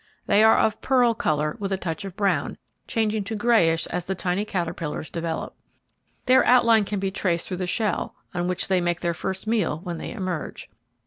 They are of pearl colour, with a touch of brown, changing to greyish as the tiny caterpillars develop. Their outline can be traced through the shell on which they make their first meal when they emerge.